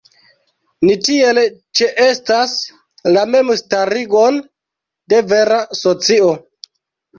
Ni tiel ĉeestas "la mem-starigon de vera socio".